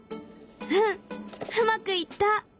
うんうまくいった！